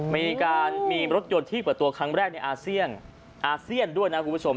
มีการมีรถยนต์ที่เปิดตัวครั้งแรกในอาเซียนอาเซียนด้วยนะคุณผู้ชม